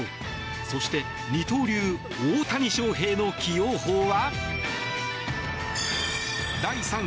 そして、二刀流大谷翔平の起用法は？